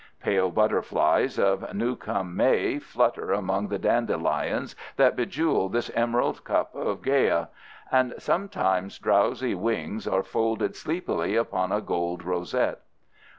Pale butterflies of new come May flutter among the dandelions that bejewel this emerald cup of Gæa, and sometimes drowsy wings are folded sleepily upon a gold rosette.